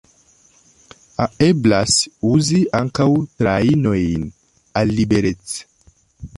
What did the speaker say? Eblas uzi ankaŭ trajnojn al Liberec.